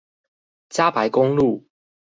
嘉白公路